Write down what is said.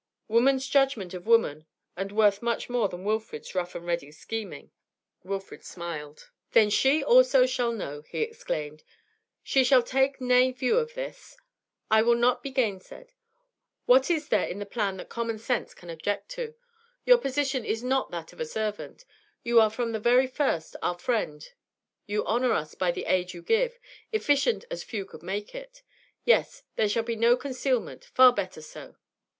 Woman's judgment of woman, and worth much more than Wilfrid's rough and ready scheming. Wilfrid smiled. 'Then she also shall know,' he exclaimed. 'She shall take nay view of this; I will not be gainsaid. What is there in the plan that common sense can object to? Your position is not that of a servant; you are from the first our friend you honour us by the aid you give, efficient as few could make it. Yes, there shall be no concealment far better so.'